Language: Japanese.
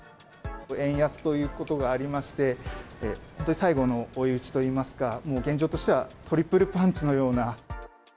円安ということがありまして最後の追い打ちといいますか現状としてはトリプルパンチのような。